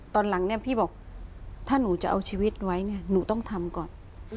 ตอนหลังพี่บอกถ้าหนูจะเอาชีวิตไว้หนูต้องทำก่อน